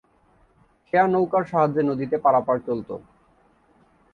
খেয়া নৌকার সাহায্যে নদীতে পারাপার চলত।